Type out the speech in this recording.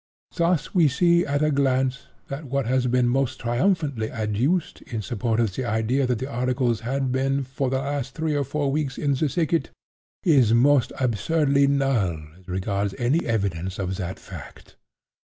"Thus we see, at a glance, that what has been most triumphantly adduced in support of the idea that the articles had been 'for at least three or four weeks' in the thicket, is most absurdly null as regards any evidence of that fact.